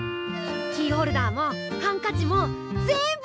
キーホルダーもハンカチもぜんぶ